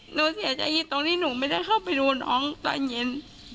หนูเสียใจตรงที่หนูไม่ได้เข้าไปดูน้องตอนเย็น